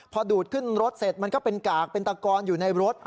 พอดูดขึ้นรถเสร็จมันก็เป็นกากเป็นตะกอนอยู่ในรถ